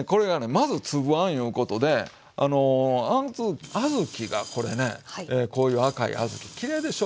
まず粒あんいうことであの小豆がこれねこういう赤い小豆きれいでしょう？